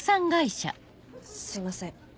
すいません。